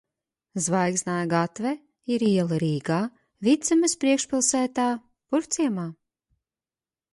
Zvaigznāja gatve ir iela Rīgā, Vidzemes priekšpilsētā, Purvciemā.